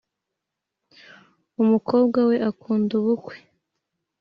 umukobwa we akunda ubukwe